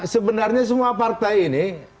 sebenarnya semua partai ini